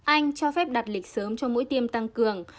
anh cho phép đặt lịch sớm cho mũi tiêm tăng cường